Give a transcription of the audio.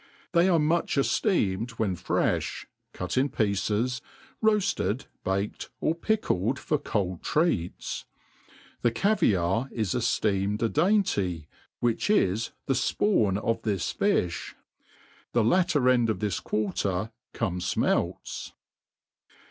They are much efleemed when frefh, cut in pieces, roalkd, b^ked, or pickled for cold treats. The cavier is efkemed a dainty, whiph is the fpawn of this filh. The latter end of |Lhis quarter come fmclts.